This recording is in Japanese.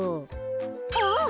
あっ！